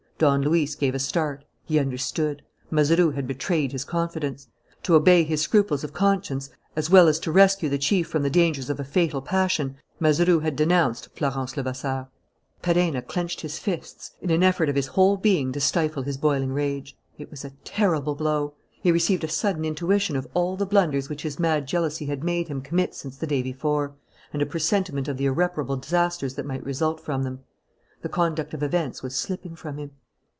Don Luis gave a start. He understood. Mazeroux had betrayed his confidence. To obey his scruples of conscience as well as to rescue the chief from the dangers of a fatal passion, Mazeroux had denounced Florence Levasseur. Perenna clenched his fists in an effort of his whole being to stifle his boiling rage. It was a terrible blow. He received a sudden intuition of all the blunders which his mad jealousy had made him commit since the day before, and a presentiment of the irreparable disasters that might result from them. The conduct of events was slipping from him.